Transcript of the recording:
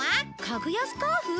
かぐやスカーフ？